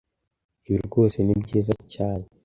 Ibi rwose ni byiza cyane